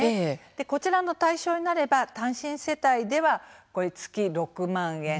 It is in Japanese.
こちらの対象になれば単身世帯では月６万円。